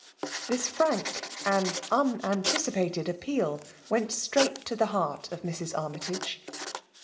'* Ths frank and unanticipated appeal went straiglit to the heart of Meb. Armytage.